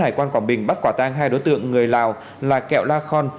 hải quan quảng bình bắt quả tang hai đối tượng người lào là kẹo la khon